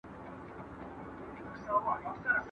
¬ پاک اوسه، بې باک اوسه.